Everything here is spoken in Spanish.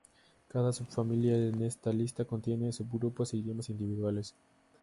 Cada sub-familia en esta lista contiene subgrupos e idiomas individuales.